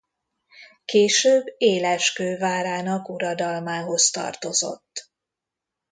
Később Éleskő várának uradalmához tartozott.